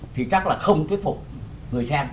thì chắc là không thuyết phục người xem